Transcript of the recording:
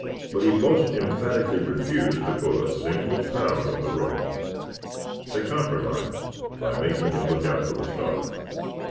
But he most emphatically refused to pull a single pound on the rope. They compromised by making him look out for the stock.